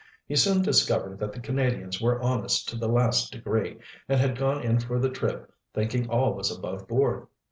He soon discovered that the Canadians were honest to the last degree, and had gone in for the trip thinking all was above board.